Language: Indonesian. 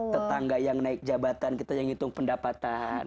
tetangga yang naik jabatan kita yang ngitung pendapatan